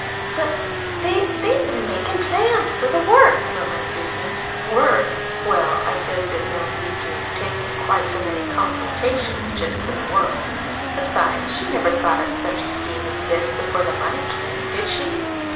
"But, they they've been makin' plans for for the work," murmured Susan. "Work! Well, I guess it no need to've taken quite so many consultations for just the work. Besides, she never thought of such a scheme as this before the money came, did she?